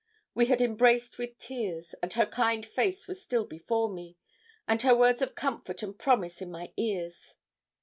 We had embraced with tears; and her kind face was still before me, and her words of comfort and promise in my ears.